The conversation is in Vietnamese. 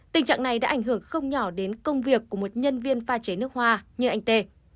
tình trạng này đã ảnh hưởng không nhỏ đến công việc của một nhân viên pha chế nước hoa như anh tê